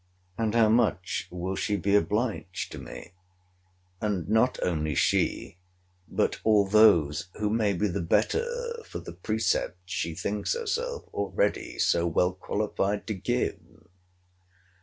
—And how much will she be obliged to me; and not only she, but all those who may be the better for the precepts she thinks herself already so well qualified to give!